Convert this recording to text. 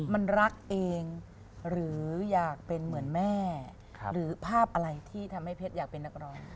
มันรักเองหรืออยากเป็นเหมือนแม่หรือภาพอะไรที่ทำให้เพชรอยากเป็นนักร้อง